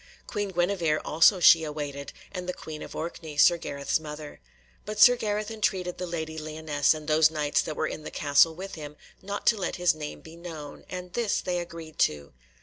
Queen Guenevere also she awaited, and the Queen of Orkney, Sir Gareth's mother. But Sir Gareth entreated the Lady Lyonesse and those Knights that were in the castle with him not to let his name be known, and this they agreed to.